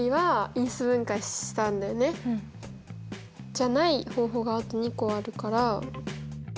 じゃない方法があと２個あるから。